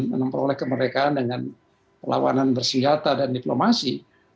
menempel oleh kemerdekaan dengan lawanan bersihata dan diplomasi